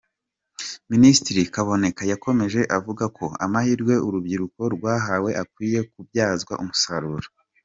Minisitiri Kaboneka yakomeje avuga ko amahirwe urubyiruko rwahawe akwiye kubyazwa umusaruro.